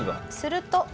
すると。